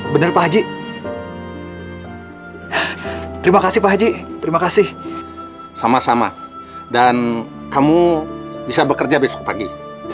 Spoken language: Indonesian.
benar pak haji terima kasih pak haji terima kasih sama sama dan kamu bisa bekerja besok pagi